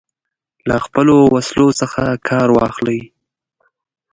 له خپلو وسلو څخه کار واخلي.